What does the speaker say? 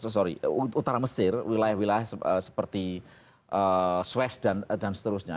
sorry utara mesir wilayah wilayah seperti swess dan seterusnya